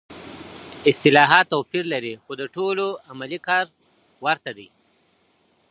اصطلاحات توپیر لري خو د ټولو عملي کار ورته دی.